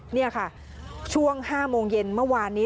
นี่ค่ะช่วง๕โมงเย็นเมื่อวานนี้